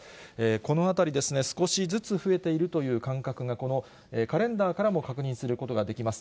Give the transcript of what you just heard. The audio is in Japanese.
このあたり、少しずつ増えているという感覚がこのカレンダーからも確認することができます。